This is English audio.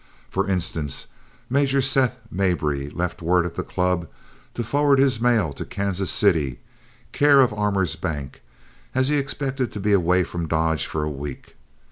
For instance, Major Seth Mabry left word at the club to forward his mail to Kansas City, care of Armour's Bank, as he expected to be away from Dodge for a week.